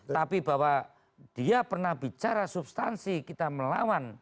tapi bahwa dia pernah bicara substansi kita melawan